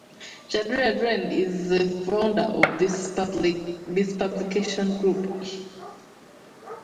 Shridhar Dwivedi is the founder of this publication group.